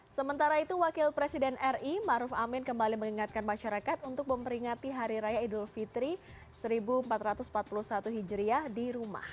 sementara itu wakil presiden ri maruf amin kembali mengingatkan masyarakat untuk memperingati hari raya idul fitri seribu empat ratus empat puluh satu hijriah di rumah